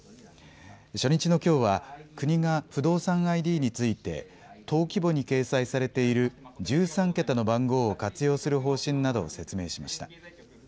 初日のきょうは国が不動産ＩＤについて登記簿に掲載されている１３桁の番号を活用する方針などを説明しました。